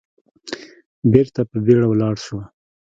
بېرته په بيړه ولاړ شو.